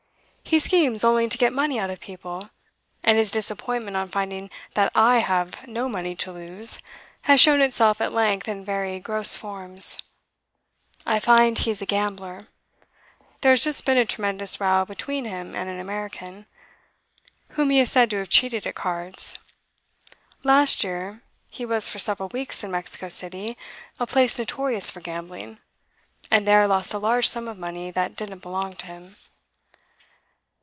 He schemes only to get money out of people; and his disappointment on finding that I have no money to lose, has shown itself at length in very gross forms. I find he is a gambler; there has just been a tremendous row between him and an American, whom he is said to have cheated at cards. Last year he was for several weeks in Mexico City, a place notorious for gambling, and there lost a large sum of money that didn't belong to him.